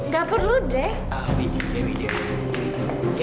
gak perlu drek